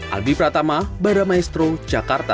albi pratama bara maestro jakarta